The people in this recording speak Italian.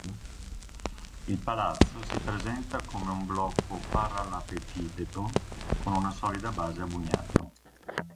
Il palazzo si presenta come un blocco parallapepitedo con una solida base a bugnato.